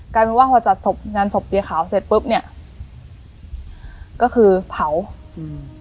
กลายเป็นว่าพอจัดศพงานศพเยขาวเสร็จปุ๊บเนี้ยก็คือเผาอืม